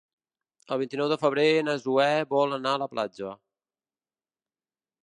El vint-i-nou de febrer na Zoè vol anar a la platja.